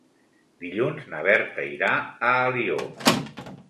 Dilluns na Berta irà a Alió.